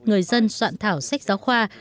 người dân soạn thảo sách giáo khoa